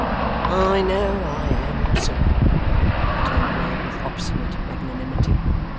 'I know I am, sir,' returned Wegg, with obstinate magnanimity.